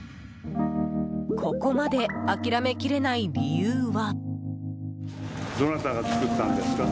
ここまで諦められきれない理由は。